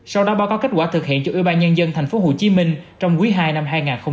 sau đó báo cáo kết quả thực hiện cho ubnd tp hcm trong quý ii năm hai nghìn hai mươi ba